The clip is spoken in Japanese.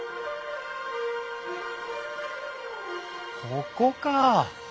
ここか。